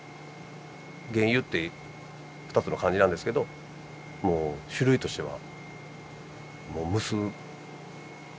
原油って２つの漢字なんですけどもう種類としてはもう無数。